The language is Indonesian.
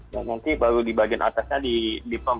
nanti baru di bagian atasnya di perm